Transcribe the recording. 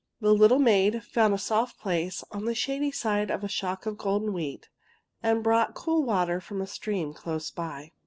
The little maid found a soft place on the shady side of a shock of golden wheat, and brought cool water from a stream close by.